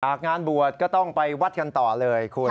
งานบวชก็ต้องไปวัดกันต่อเลยคุณ